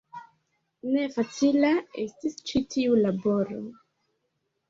Ne facila estis ĉi tiu laboro.